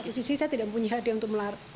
di sisi saya tidak punya hati untuk melarang